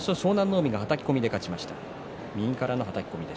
海がはたき込みで勝ちました。